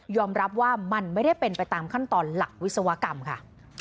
รับว่ามันไม่ได้เป็นไปตามขั้นตอนหลักวิศวกรรมค่ะ